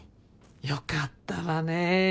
よかったわねぇ。